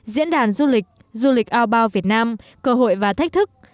diễn đàn du lịch du lịch ao bao việt nam cơ hội và thách thức